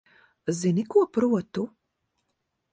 Zini, ko protu?